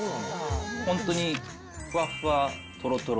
本当にふわふわとろとろ。